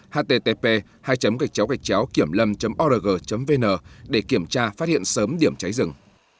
http kiểmlâm org vn để kiểm tra phát hiện sớm điểm cháy rừng